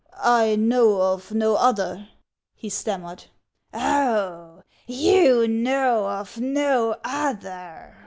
" I know of no other," he stammered. " Oh, you know of no other